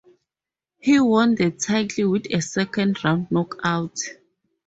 He won the title with a second-round knockout.